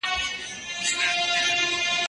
نوی نسل به د تاریخ په اړه معقوله خبره ولري.